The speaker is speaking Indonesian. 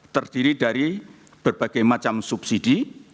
terdiri dari berbagai macam subsidi